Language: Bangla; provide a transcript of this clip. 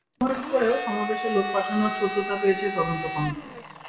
এমনকি ট্রাক ব্যবহার করেও সমাবেশে লোক পাঠানোর সত্যতা পেয়েছে তদন্ত কমিটি।